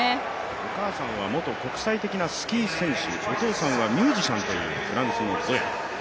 お母さんは元国際的なスキー選手、お父さんはミュージシャンというフランスのゾヤ。